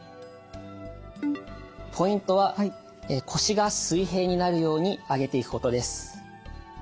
ポイントは腰が水平になるように上げていくことです。